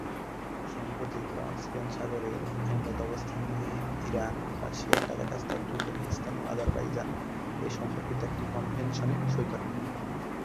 সম্প্রতি কাস্পিয়ান সাগরের ‘আইনগত অবস্থান’ নিয়ে ইরান, রাশিয়া, কাজাখস্তান, তুর্কমেনিস্তান ও আজারবাইজান এ সম্পর্কিত একটি কনভেনশনে সই করে।